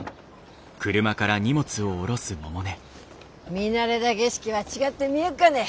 見慣れだ景色は違って見えっかねえ。